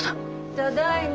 ただいま。